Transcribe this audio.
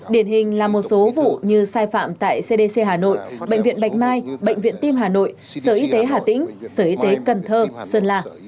điển hình là một số vụ như sai phạm tại cdc hà nội bệnh viện bạch mai bệnh viện tim hà nội sở y tế hà tĩnh sở y tế cần thơ sơn la